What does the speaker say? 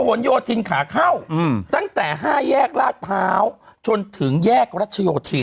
หนโยธินขาเข้าตั้งแต่๕แยกลาดพร้าวจนถึงแยกรัชโยธิน